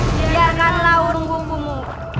biarkan laur menghukumu